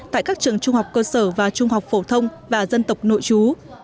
tại các trường trung học cơ sở và trung học phổ thông và dân tộc nội chú